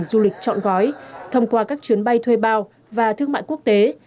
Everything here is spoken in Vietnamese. doanh thu du lịch chọn gói thông qua các chuyến bay thuê bao và thương mại quốc tế